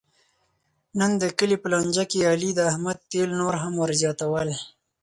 نن د کلي په لانجه کې علي د احمد تېل نور هم ور زیاتول.